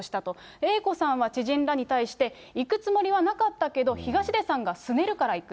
Ａ子さんは知人らに対して、行くつもりはなかったけど、東出さんがすねるから行く。